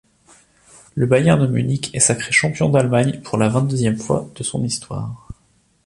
Le Bayern Munich est sacré champion d'Allemagne pour la vingt-deuxième fois de son histoire.